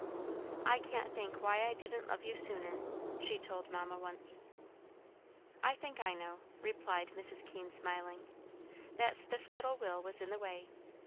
"I can't think why I didn't love you sooner," she told Mamma once. "I think I know," replied Mrs. Keene, smiling. "That stiff little will was in the way.